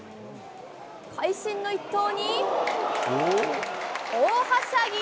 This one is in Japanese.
会心の一投に、大はしゃぎ。